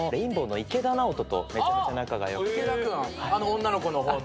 あの女の子の方の。